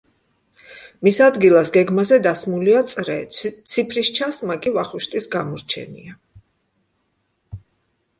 მის ადგილას გეგმაზე დასმულია წრე, ციფრის ჩასმა კი ვახუშტის გამორჩენია.